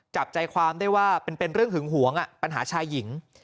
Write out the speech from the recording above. จับใจความได้ว่าเป็นเรื่องหึงหวงปัญหาชายหญิง